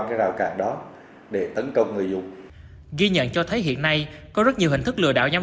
cái rào cản đó để tấn công người dùng ghi nhận cho thấy hiện nay có rất nhiều hình thức lừa đảo nhắm